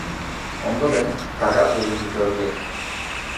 Ondoren, kargatu egin dute horiek.